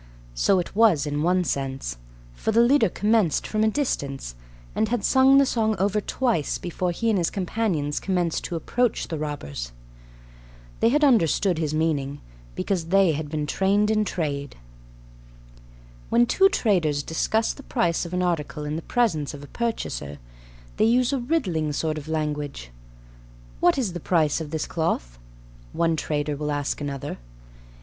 So it was in one sense: for the leader commenced from a distance, and had sung the song over twice before he and his companions commenced to approach the robbers. They had understood his meaning, because they had been trained in trade. When two traders discuss the price of an article in the presence of a purchaser, they use a riddling sort of language. "What is the price of this cloth?" one trader will ask another.